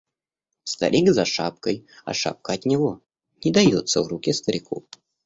Старик за шапкой, а шапка от него, не дается в руки старику.